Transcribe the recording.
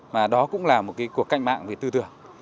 mà đó cũng là một cuộc cách mạng về tư tưởng